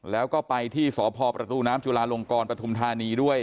แล้วก็ไปที่สพประตูน้ำจุลาลงกรปฐุมธานีด้วย